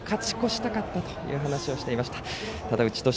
ただ、先に勝ち越したかったという話をしていました。